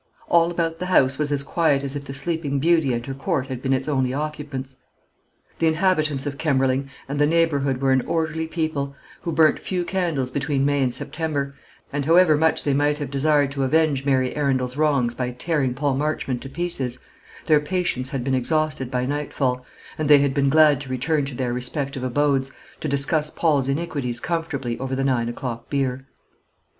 All about the house was as quiet as if the Sleeping Beauty and her court had been its only occupants. The inhabitants of Kemberling and the neighbourhood were an orderly people, who burnt few candles between May and September; and however much they might have desired to avenge Mary Arundel's wrongs by tearing Paul Marchmont to pieces, their patience had been exhausted by nightfall, and they had been glad to return to their respective abodes, to discuss Paul's iniquities comfortably over the nine o'clock beer.